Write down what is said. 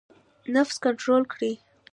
نفس کنټرول کړئ